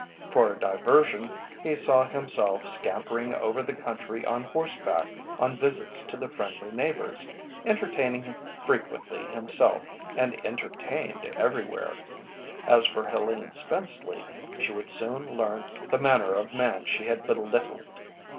For diversion, he saw himself scampering over the country on horseback on visits to the friendly neighbours, entertaining frequently himself and entertained everywhere. As for Helene Spenceley she would soon learn the manner of man she had belittled!